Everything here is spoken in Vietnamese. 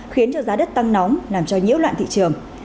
khiến cho giá đất tăng nóng làm cho nhiễu loạn thị trường